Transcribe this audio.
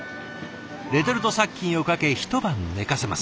レトルト殺菌をかけ一晩寝かせます。